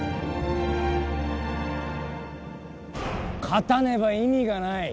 勝たねば意味がない。